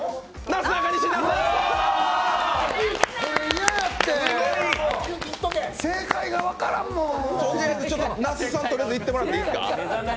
とりあえず那須さん行ってもらっていいですか。